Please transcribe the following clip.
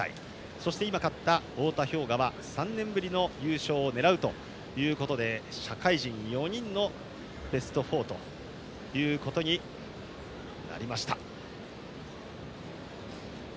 そして今、勝った太田彪雅は３年ぶりの優勝を狙うということで社会人４人のベスト４となりました。